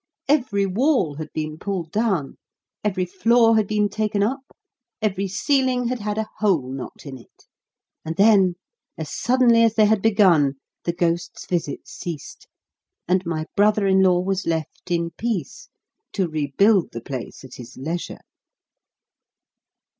Every wall had been pulled down, every floor had been taken up, every ceiling had had a hole knocked in it. And then, as suddenly as they had begun, the ghost's visits ceased; and my brother in law was left in peace, to rebuild the place at his leisure.